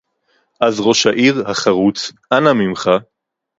אז ראש העיר החרוץ, אנא ממך